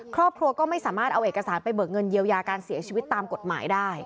ครอบครัวก็ไม่สามารถเอาเอกสารไปเบิกเงินเยียวยาการเสียชีวิตตามกฎหมายได้